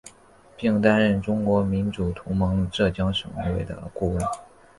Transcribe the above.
并担任中国民主同盟浙江省委的顾问。